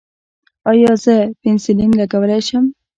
ایا زه پنسلین لګولی شم؟